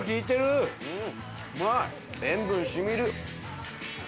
塩分染みる！